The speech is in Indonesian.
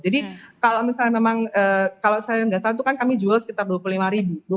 jadi kalau misalnya memang kalau saya nggak salah itu kan kami jual sekitar dua puluh lima ribu